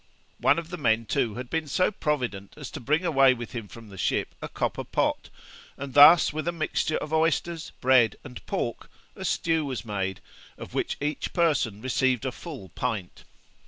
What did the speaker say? One of the men too had been so provident as to bring away with him from the ship a copper pot; and thus with a mixture of oysters, bread, and pork, a stew was made, of which each person received a full pint.